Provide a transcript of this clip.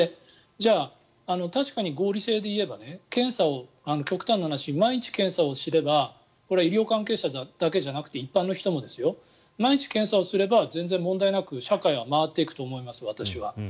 じゃあ、確かに合理性でいえば検査を極端な話毎日検査をすればこれは医療関係者だけじゃなくて一般の人も毎日検査をすれば全然問題なく社会は回っていくと思います、私は。